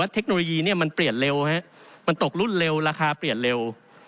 เทคโนโลยีเนี่ยมันเปลี่ยนเร็วมันตกรุ่นเร็วราคาเปลี่ยนเร็ว